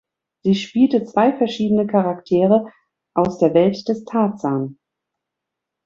Sie spielte zwei verschiedene Charaktere aus der Welt des "Tarzan".